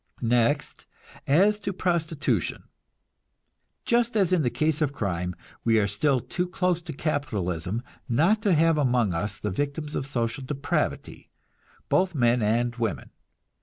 Next, as to prostitution. Just as in the case of crime, we are still too close to capitalism not to have among us the victims of social depravity, both men and women.